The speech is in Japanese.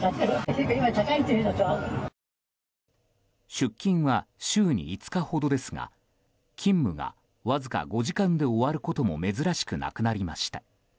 出勤は週に５日ほどですが勤務がわずか５時間で終わることも珍しくなくなりました。